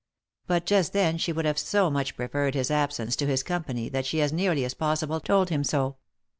But just then she would have so much preferred his absence to his com pany that she as nearly as possible told him so.